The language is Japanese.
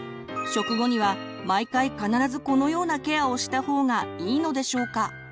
食後には毎回必ずこのようなケアをした方がいいのでしょうか？